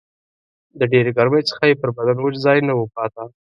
د ډېرې ګرمۍ څخه یې پر بدن وچ ځای نه و پاته